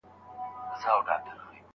زما وجود به ټوله ریږدي ما لا هم سې زنګولای